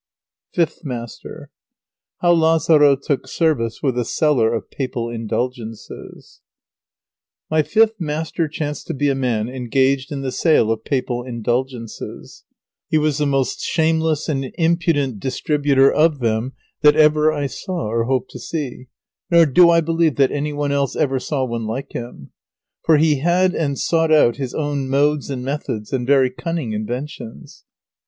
FIFTH MASTER HOW LAZARO TOOK SERVICE WITH A SELLER OF PAPAL INDULGENCES My fifth master chanced to be a man engaged in the sale of Papal Indulgences. He was the most shameless and impudent distributor of them that ever I saw or hope to see, nor do I believe that any one else ever saw one like him. For he had and sought out his own modes and methods, and very cunning inventions.